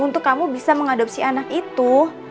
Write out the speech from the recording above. untuk kamu bisa mengadopsi anak itu